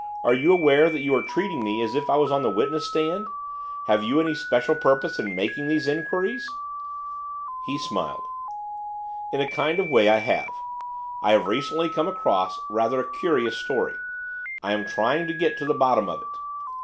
Are you aware that you are treating me as if I was on the witness stand? Have you any special purpose in making these inquiries?' He smiled. 'In a kind of a way I have. I have recently come across rather a curious story; I am trying to get to the bottom of it.